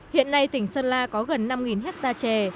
hiện nay tỉnh sơn la có gần năm hectare chè